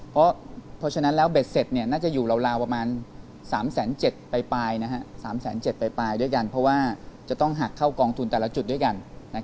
เพราะฉะนั้นแล้วเบ็ดเสร็จน่าจะอยู่ราวประมาณ๓๗๐๐ไป๓๗๐๐ปลายด้วยกันเพราะว่าจะต้องหักเข้ากองทุนแต่ละจุดด้วยกัน